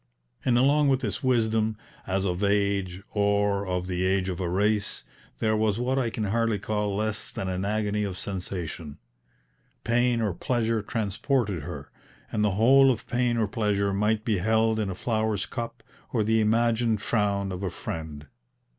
And along with this wisdom, as of age or of the age of a race, there was what I can hardly call less than an agony of sensation. Pain or pleasure transported her, and the whole of pain or pleasure might be held in a flower's cup or the imagined frown of a friend.